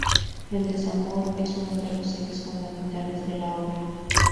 El desamor es uno de los ejes fundamentales de la obra.